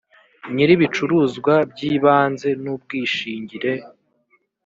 nyir ibicuruzwa by ibanze n ubwishingire